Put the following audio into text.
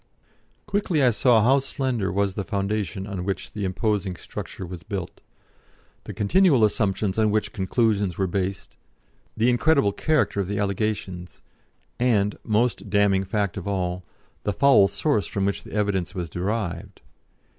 Quickly I saw how slender was the foundation on which the imposing structure was built. The continual assumptions on which conclusions were based; the incredible character of the allegations; and most damning fact of all the foul source from which the evidence was derived.